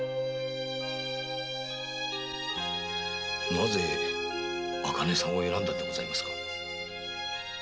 なぜ茜さんを選んだのでございますか？